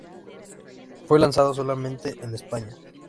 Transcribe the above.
Fue lanzado solamente en España.